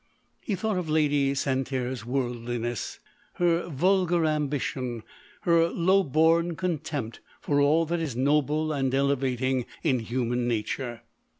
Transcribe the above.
He thought of Lady Santerre's worldliness, her vulgar ambition, her low born contempt for all that is noble and elevating in human nature.